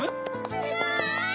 すごい！